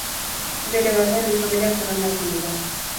Bere barruan bi familia zerrendatzen dira.